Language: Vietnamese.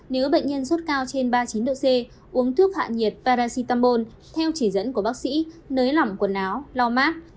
nếu bệnh nhân suất cao trên ba mươi chín độ c uống thước hạ nhiệt paracetamol theo chỉ dẫn của bác sĩ nới lỏng quần áo lo mát